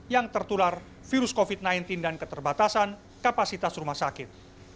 yang tertular virus covid sembilan belas dan keterbatasan kapasitas rumah sakit